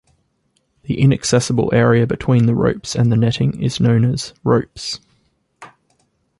The inaccessible area between the ropes and the netting is known as "Ropes".